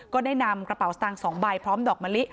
ก็ได้นำกระเป๋าสตางค์๒ใบพร้อมดอกมะลิ